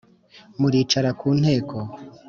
muricara ku nteko,